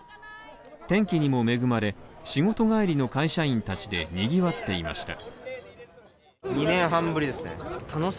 天気にも恵まれ、仕事帰りの会社員たちでにぎわっていました。